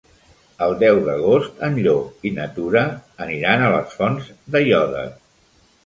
El deu d'agost en Llop i na Tura aniran a les Fonts d'Aiòder.